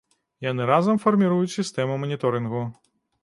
Яны разам фарміруюць сістэму маніторынгу.